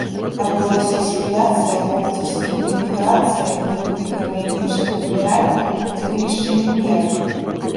Адбылася асіміляцыя, або выцясненне і міграцыя, не выкліканае нічым выміранне ці вынішчэнне меры?